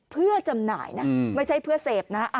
เพื่อจำหน่ายนะไม่ใช่เพื่อเสพนะ